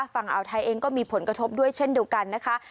ฝั่งอ่าวไทยเองก็มีผลกระทบด้วยเช่นเดียวกันนะคะ